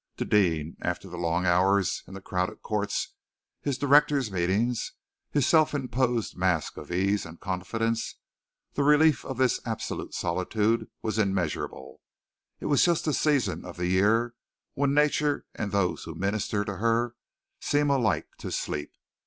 To Deane, after the long hours in the crowded courts, his directors' meetings, his self imposed mask of ease and confidence, the relief of this absolute solitude was immeasurable. It was just the season of the year when nature and those who minister to her seem alike to sleep.